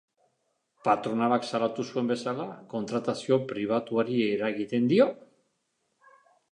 Patronalak salatu zuen bezala, kontratazio pribatuari eragiten dio?